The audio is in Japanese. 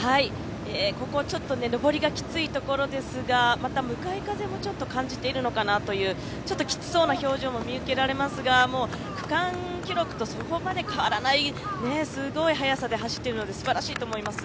ここは上りがきついところですが、また向かい風も感じているのかなという、ちょっときつそうな表情も見受けられますが、区間記録とそこまで変わらない、すごい速さで走っているのですばらしいと思います。